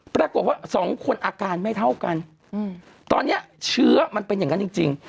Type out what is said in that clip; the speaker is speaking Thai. ปรากฏว่าสองคนอาการไม่เท่ากันตอนนี้เชื้อมันเป็นอย่างนั้นจริง